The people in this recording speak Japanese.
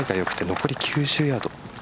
残り９０ヤード。